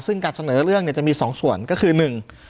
ซึ่งการเสนอเรื่องเนี่ยจะมีสองส่วนก็คือหนึ่ง